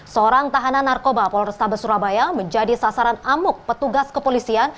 seorang tahanan narkoba polrestabes surabaya menjadi sasaran amuk petugas kepolisian